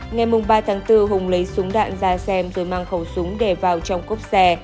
ngày ba tháng bốn hùng lấy súng đạn ra xem rồi mang khẩu súng để vào trong cốc xe